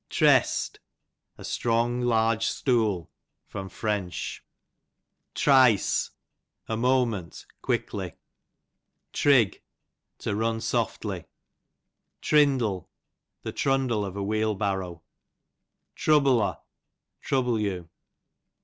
Trest, a strong large stool, Fr. 107 Trice, a moment, qukldtj. Trig, to run softly. Trindle, the trundle of a wheel barrow. A. S. Trouble'o, trouble you.